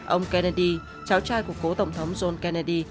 ông kennedy cháu trai của cố tổng thống john kennedy